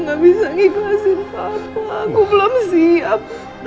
gak bisa ngikhlasin papa aku belum siap